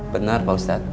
benar pak ustadz